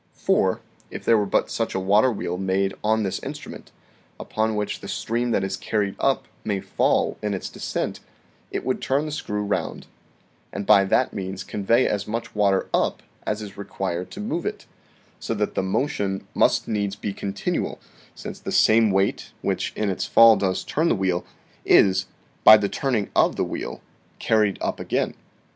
For, if there were but such a waterwheel made on this instrument, upon which the stream that is carried up PERPETUAL MOTION 49 may fall in its descent, it would turn the screw round, and by that means convey as much water up as is required to move it; so that the motion must needs be continual since the same weight which in its fall does turn the wheel, is, by the turning of the wheel, carried up again.